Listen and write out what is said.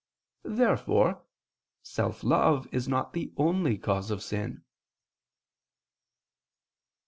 Therefore self love is not the only cause of sin.